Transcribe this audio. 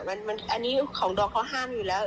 อันนี้ของดอกเขาห้ามอยู่แล้ว